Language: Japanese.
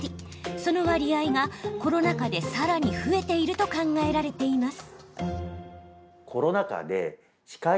その割合が、コロナ禍でさらに増えていると考えられています。